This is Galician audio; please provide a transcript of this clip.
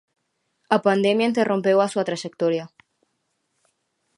A pandemia interrompeu a súa traxectoria.